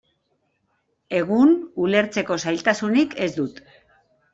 Egun, ulertzeko zailtasunik ez dut.